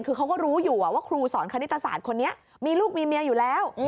คือเขาก็รู้อยู่ว่าครูสอนคณิตศาสตร์คนนี้มีลูกมีเมียอยู่แล้ว